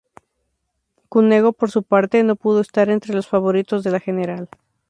Cunego, por su parte, no pudo estar entre los favoritos de la general.